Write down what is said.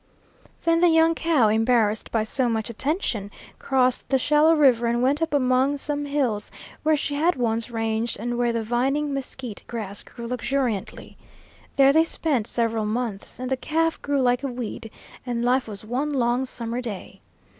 Then the young cow, embarrassed by so much attention, crossed the shallow river and went up among some hills where she had once ranged and where the vining mesquite grass grew luxuriantly. There they spent several months, and the calf grew like a weed, and life was one long summer day.